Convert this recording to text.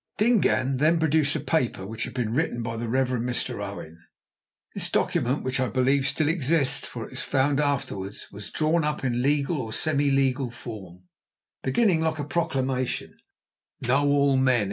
Dingaan then produced a paper which had been written by the Reverend Mr. Owen. This document, which I believe still exists, for it was found afterwards, was drawn up in legal or semi legal form, beginning like a proclamation, "Know all men."